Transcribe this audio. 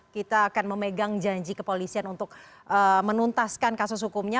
kita akan memegang janji kepolisian untuk menuntaskan kasus hukumnya